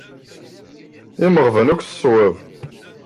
Imeɣban-ik s ṣṣwab.